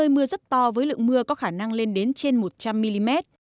mưa to với lượng mưa có khả năng lên đến trên một trăm linh mm